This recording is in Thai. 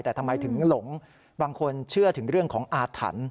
แต่ทำไมถึงหลงบางคนเชื่อถึงเรื่องของอาถรรพ์